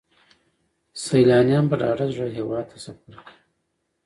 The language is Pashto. سیلانیان په ډاډه زړه هیواد ته سفر کوي.